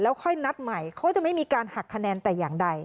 ค่อยนัดใหม่เขาจะไม่มีการหักคะแนนแต่อย่างใด